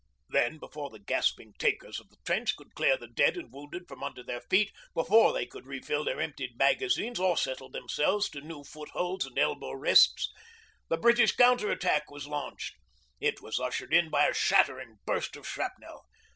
Then, before the gasping takers of the trench could clear the dead and wounded from under their feet, before they could refill their emptied magazines, or settle themselves to new footholds and elbow rests, the British counter attack was launched. It was ushered in by a shattering burst of shrapnel.